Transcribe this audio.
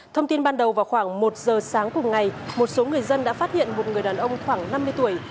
thông tin ban đầu vào khoảng một giờ sáng cùng ngày một số người dân đã phát hiện một người đàn ông khoảng năm mươi tuổi